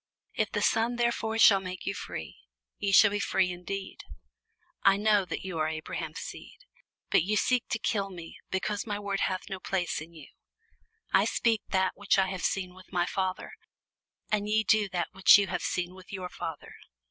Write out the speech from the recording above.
If the Son therefore shall make you free, ye shall be free indeed. I know that ye are Abraham's seed; but ye seek to kill me, because my word hath no place in you. I speak that which I have seen with my Father: and ye do that which ye have seen with your father.